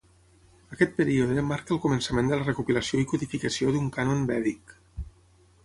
Aquest període marca el començament de la recopilació i codificació d'un cànon vèdic.